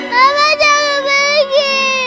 mama jangan lagi